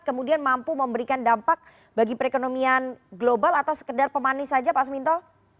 kemudian mampu memberikan dampak bagi perekonomian global atau sekedar pemanis saja pak suminto